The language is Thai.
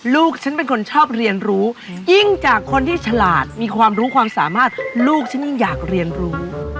ลูกฉันเป็นคนชอบเรียนรู้ยิ่งจากคนที่ฉลาดมีความรู้ความสามารถลูกฉันยิ่งอยากเรียนรู้